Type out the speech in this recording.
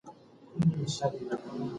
د ډایی کلی ټول شپږ کارېزه درلودل